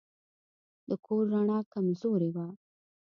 د کور رڼا کمزورې وه.